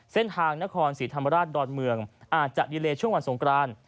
เส้นทางนครศรีธรรมราชดอนเมืองอาจจะดีเลช่วงวันสงกราน